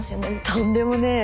とんでもねえ。